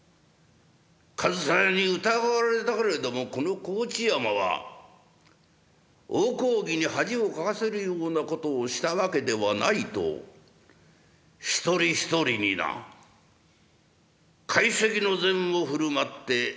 上総屋に疑われたけれどもこの河内山は大公儀に恥をかかせるようなことをしたわけではないと一人一人にな会席の膳を振る舞って帰りには屋敷にかごで送り届けるんだ。